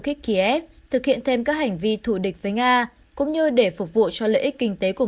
khích kiev thực hiện thêm các hành vi thủ địch với nga cũng như để phục vụ cho lợi ích kinh tế của